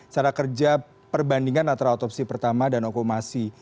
cara kerja perbandingan antara otopsi pertama dan okumasi